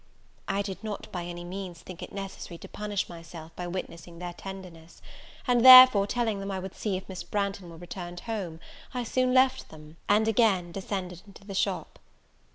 I did not by any means think it necessary to punish myself by witnessing their tenderness; and therefore telling them I would see if Miss Branghton were returned home, I soon left them, and against descended into the shop.